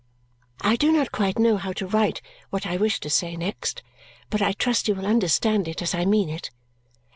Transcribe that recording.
I do not quite know how to write what I wish to say next, but I trust you will understand it as I mean it.